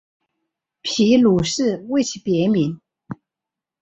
皮鲁士为其别名。